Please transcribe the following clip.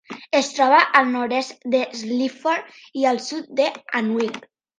Es troba al nord-est de Sleaford i al sud de Anwick.